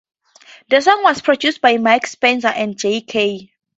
The song was produced by Mike Spencer and Jay Kay.